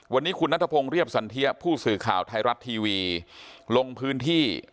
วันนี้คุณนัทพงศ์เรียบสันเทียผู้สื่อข่าวไทยรัฐทีวีลงพื้นที่